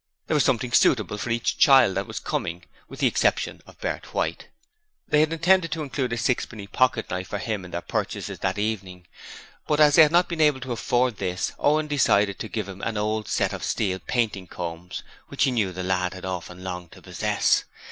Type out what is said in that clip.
There was something suitable for each child that was coming, with the exception of Bert White; they had intended to include a sixpenny pocket knife for him in their purchases that evening, but as they had not been able to afford this Owen decided to give him an old set of steel graining combs which he knew the lad had often longed to possess.